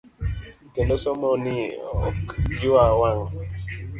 Kendo somo ni ok ywa wang'.